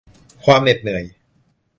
ความเหน็ดเหนื่อย